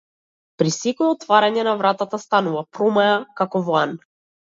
При секое отворање на вратата станува промаја како во ан.